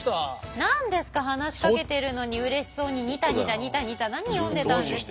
何ですか話しかけてるのにうれしそうにニタニタニタニタ何読んでたんですか。